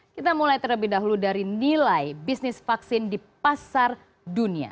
kita mulai terlebih dahulu dari nilai bisnis vaksin di pasar dunia